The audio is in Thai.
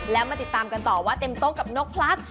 แล้วมาติดตามกันต่อว่าเต็มโต๊ะกับนกพลัด